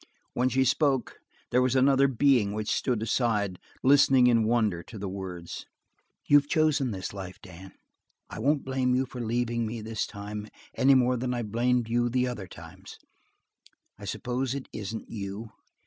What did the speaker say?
When she spoke, there was another being which stood aside listening in wonder to the words. "You've chosen this life, Dan, I won't blame you for leaving me this time any more than I blamed you the other times. I suppose it isn't you.